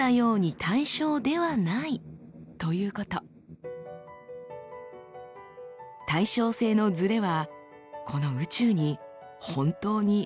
対称性のズレはこの宇宙に本当に存在したのです。